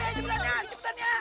ya udah ibu ibu ayo cepetan ya